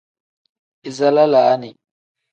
Iza lalaani.